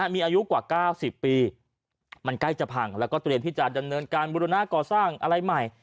มีอายุกว่า๙๐ปีมันใกล้จะพังแล้วก็เตรียมที่จะดำเนินการบุรณาก่อสร้างอะไรใหม่